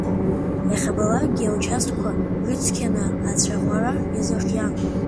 Иахьабалакгьы аучасткақәа рыцқьаны ацәаӷәара иазырхиан.